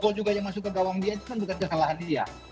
kok juga yang masuk ke gawang dia itu kan bukan kesalahan dia